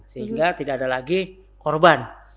sehingga tidak ada lagi korban